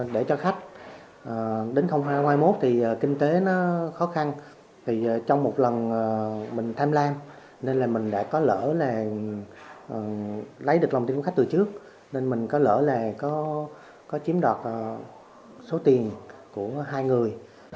để cho khách đến hai nghìn hai mươi một thì kinh tế nó khó khăn thì trong một lần mình tham lam nên là mình đã có lỡ là lấy được lòng tiền của khách từ trước nên mình có lỡ là có chiếm đoạt số tiền của hai người